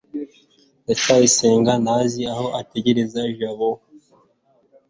ndacyayisenga ntazi aho ategereza jabo